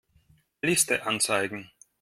Liste anzeigen.